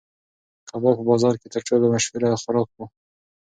کباب په بازار کې تر ټولو مشهور خوراک و.